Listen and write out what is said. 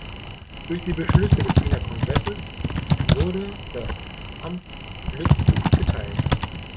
Durch die Beschlüsse des Wiener Kongresses wurde das Amt Lützen geteilt.